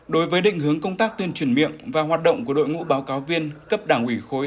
đối với định hướng công tác tuyên truyền miệng và hoạt động của đội ngũ báo cáo viên cấp đảng ủy khối